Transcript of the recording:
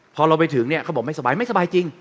พอเราไปถึงเนี่ยเขาบอกไม่สบายไม่สบายจริง